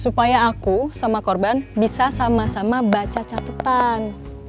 supaya aku sama korban bisa sama sama baca catatan